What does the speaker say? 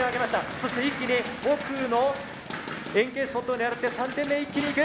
そして一気に奥の円形スポットを狙って３点目一気にいく。